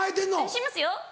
しますよ。